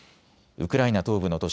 ウクライナ東部の都市